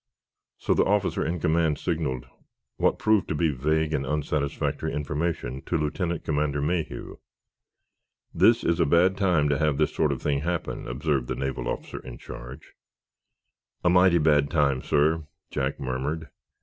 So the officer in command signaled what proved to be vague and unsatisfactory information to Lieutenant Commander Mayhew. "This is a bad time to have this sort of thing happen," observed the naval officer in charge. "A mighty bad time, sir," Jack murmured.